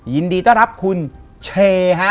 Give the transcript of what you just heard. ยินดีต้อนรับคุณเชฮะ